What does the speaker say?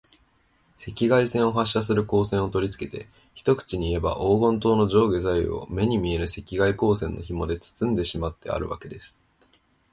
赤外線を発射する光線をとりつけて、一口にいえば、黄金塔の上下左右を、目に見えぬ赤外光線のひもでつつんでしまってあるわけです。